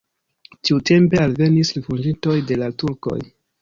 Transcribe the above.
Tiutempe alvenis rifuĝintoj de la turkoj.